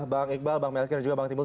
bang iqbal bang melki dan juga bang timbul